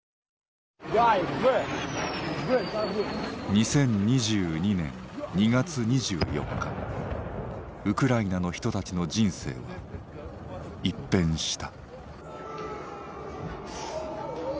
２０２２年２月２４日ウクライナの人たちの人生は一変した。